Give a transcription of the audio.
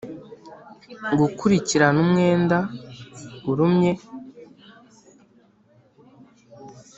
gukurikirana umwenda urumye,